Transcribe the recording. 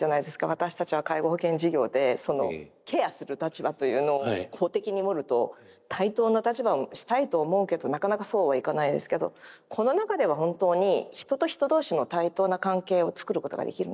私たちは介護保険事業でそのケアする立場というのを公的に見ると対等な立場をしたいと思うけどなかなかそうはいかないですけどこの中では本当に人と人同士の対等な関係を作ることができるんですよね。